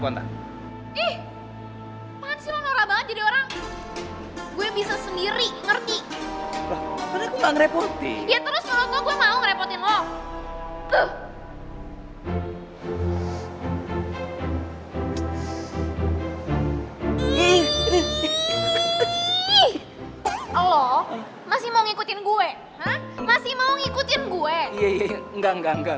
kita nggak ada buktinya